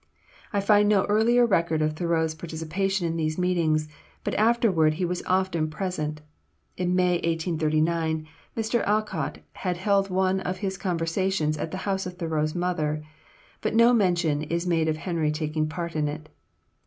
I find no earlier record of Thoreau's participation in these meetings; but afterward he was often present. In May, 1839, Mr. Alcott had held one of his conversations at the house of Thoreau's mother, but no mention is made of Henry taking part in it.